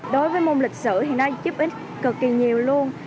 đối với môn lịch sử thì nó giúp ích cực kỳ nhiều luôn